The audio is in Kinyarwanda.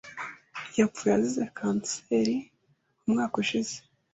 Yapfuye azize kanseri umwaka ushize.